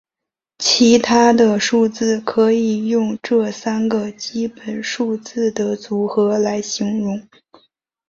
其他的数字可以用这三个基本数字的组合来形容。